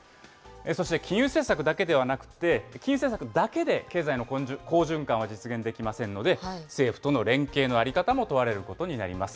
そして金融政策だけではなくて、金融政策だけで経済の好循環は実現できませんので、政府との連携の在り方も問われることになります。